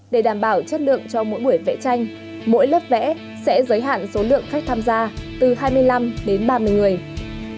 để đảm bảo chất lượng cho mỗi buổi vẽ tranh mỗi lớp vẽ sẽ giới hạn số lượng khách tham gia từ hai mươi năm đến ba mươi người